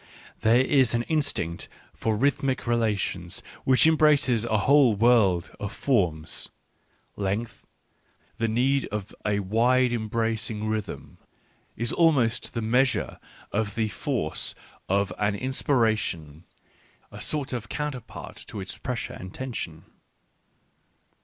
There is an instinct for rhythmic relations which embraces a whole world of forms (length, the need of a wide embracing rhythm, is almost the measure of the force of an inspiration, a sort of counterpart to its pressure and tension).